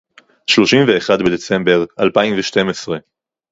שלושים ואחד בדצמבר אלפיים ושתים עשרה